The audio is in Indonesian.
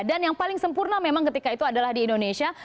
dan yang paling sempurna memang ketika itu adalah di indonesia